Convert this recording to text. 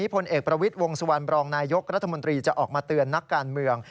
พลเอกประวิทย์วงสุวรรณบรองนายยกรัฐมนตรีจะออกมาเตือนนักการเมือง